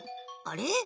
あれ？